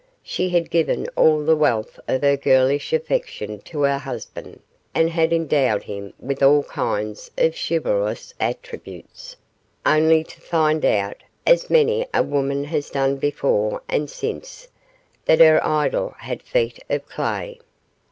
She had given all the wealth of her girlish affection to her husband, and had endowed him with all kinds of chivalrous attributes, only to find out, as many a woman has done before and since, that her idol had feet of clay.